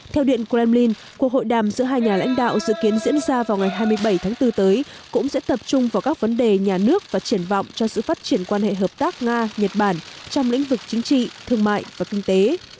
theo điện kremlin cuộc hội đàm giữa hai nhà lãnh đạo dự kiến diễn ra vào ngày hai mươi bảy tháng bốn tới cũng sẽ tập trung vào các vấn đề nhà nước và triển vọng cho sự phát triển quan hệ hợp tác nga nhật bản trong lĩnh vực chính trị thương mại và kinh tế